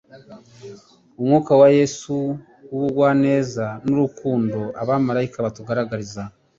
umwuka wa Yesu w'ubugwaneza n'urukundo abamaraika batugaragariza.